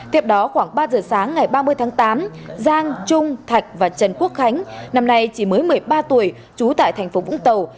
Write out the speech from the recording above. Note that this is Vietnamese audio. tiếp đó khoảng ba giờ sáng ngày ba mươi tháng tám giang trung thạch và trần quốc khánh năm nay chỉ mới một mươi ba tuổi trú tại thành phố vũng tàu